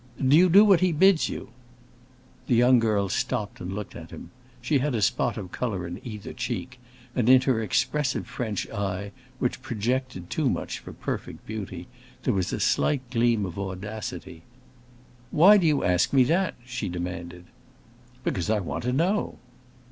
"Do you do what he bids you?" The young girl stopped and looked at him; she had a spot of color in either cheek, and in her expressive French eye, which projected too much for perfect beauty, there was a slight gleam of audacity. "Why do you ask me that?" she demanded. "Because I want to know."